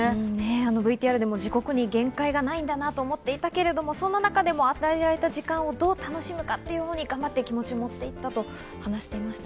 ＶＴＲでも、地獄に限界がないんだと思っていたけど、そんな中でも与えられた時間をどう楽しむかというふうに気持ちを持っていったと言っていました。